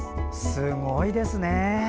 すごいですね！